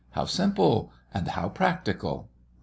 How simple, and how practical!